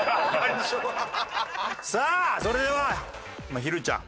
さあそれではひるちゃん。